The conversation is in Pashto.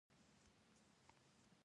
د دوه زره پنځويشتم کال